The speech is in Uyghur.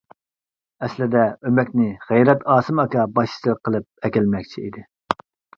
ئەسلىدە ئۆمەكنى غەيرەت ئاسىم ئاكا باشچىلىق قىلىپ ئەكەلمەكچى ئىدى.